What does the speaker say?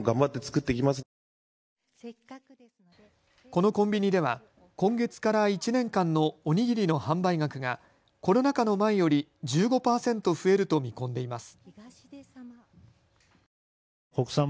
このコンビニでは今月から１年間のお握りの販売額がコロナ禍の前より１５％増えると見込んでいます。